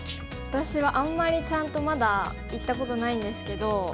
私はあんまりちゃんとまだ行ったことないんですけど。